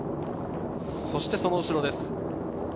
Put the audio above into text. そしてその後ろです。